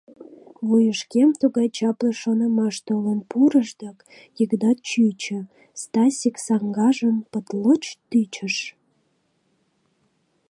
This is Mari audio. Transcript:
Вуйышкем тугай чапле шонымаш толын пурыш дык, Йыгнат чӱчӱ, — Стасик саҥгажым пытлоч тӱчыш.